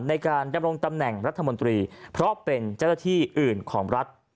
ในการดำรงตำแหน่งรัฐมนตรีเพราะเป็นเจ้าหน้าที่อื่นของรัฐ